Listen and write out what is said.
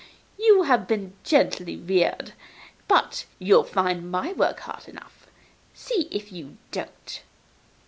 You have been gently reared, but you'll find my work hard enough. See if you don't.